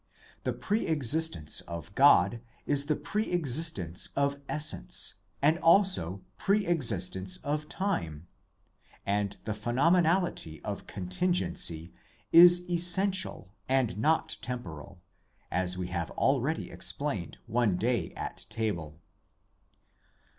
The pre existence of God is the pre existence of essence, and also pre exist 238 SOME ANSWERED QUESTIONS ence of time ; and the phenomenality of contingency is essential and not temporal, as we have already explained one day at table.